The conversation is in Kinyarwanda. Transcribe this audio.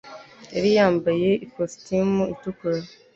Yari yambaye ikositimu itukura.